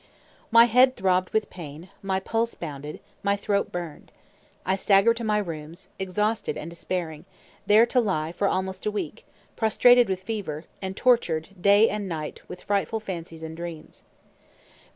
My head throbbed with pain, my pulse bounded, my throat burned. I staggered to my rooms, exhausted and despairing, there to lie, for almost a week, prostrated with fever, and tortured day and night with frightful fancies and dreams.